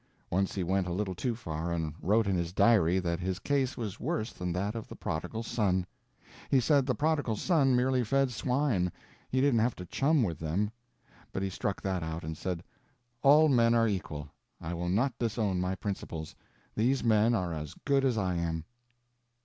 Once he went a little too far and wrote in his diary that his case was worse than that of the prodigal son. He said the prodigal son merely fed swine, he didn't have to chum with them. But he struck that out, and said "All men are equal. I will not disown my principles. These men are as good as I am."